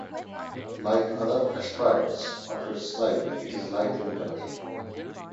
Like other asteroids of its type, it is light in colour.